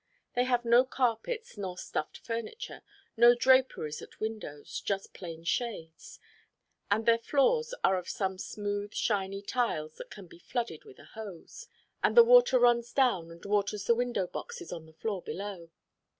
They have no carpets nor stuffed furniture, no draperies at windows, just plain shades, and their floors are of some smooth, shiny tiles that can be flooded with a hose, and the water runs down and waters window boxes on the floor below.